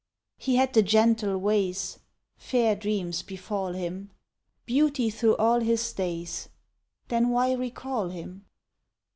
He had the gentle ways, Fair dreams befall him! Beauty through all his days, Then why recall him?